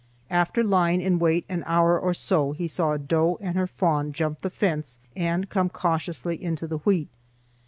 After lying in wait an hour or so, he saw a doe and her fawn jump the fence and come cautiously into the wheat.